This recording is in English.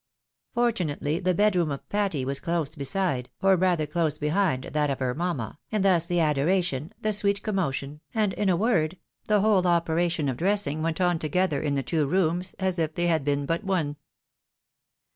Fortunately, the bedroom of Patty was close beside, or rather close behind, that of her mamma, and thus the adoration, the sweet commotion, and, in a word, the whole operation of dressing, went on in the two rooms as if they had been but one.